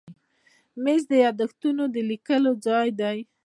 مېز د یاداښتونو لیکلو ځای دی.